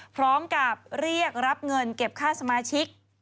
พร้อมกับเรียกรับเงินเก็บค่าสมาชิก